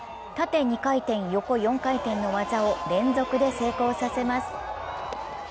縦２回転・横４回転の技を連続で成功させます。